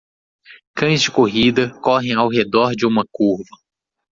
Cães de corrida correm ao redor de uma curva.